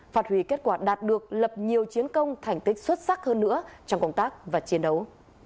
phát huy kết quả đạt được lập nhiều chiến công thành tích xuất sắc hơn nữa trong công tác và chiến đấu